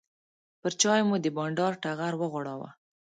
پر چایو مو د بانډار ټغر وغوړاوه.